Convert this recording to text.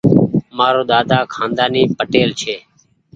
مآرو ۮاۮا کآندآني پٽيل ڇي۔